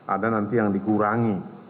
ada nanti yang dikurangi